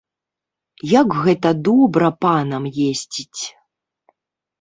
Як гэта добра панам ездзіць.